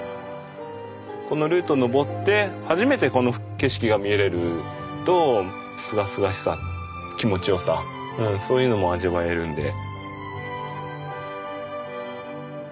このルートを登って初めてこの景色が見れるとすがすがしさ気持ちよさそういうのも味わえるんで。